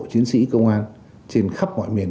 chiến sĩ công an trên khắp ngoại miền